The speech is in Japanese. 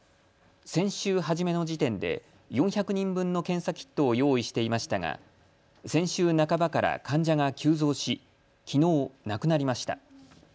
先週初めの時点で４００人分の検査キットを用意していましたが先週半ばから患者が急増しきのう、なくなりました。